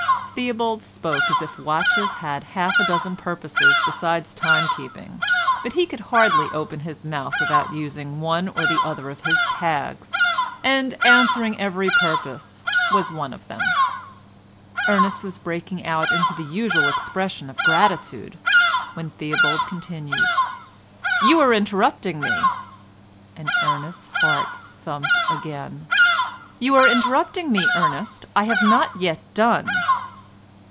Theobald spoke as if watches had half a dozen purposes besides time keeping, but he could hardly open his mouth without using one or other of his tags, and "answering every purpose" was one of them. Ernest was breaking out into the usual expressions of gratitude, when Theobald continued, "You are interrupting me," and Ernest's heart thumped again. "You are interrupting me, Ernest. I have not yet done."